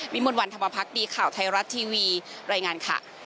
มนต์วันธรรมพักดีข่าวไทยรัฐทีวีรายงานค่ะ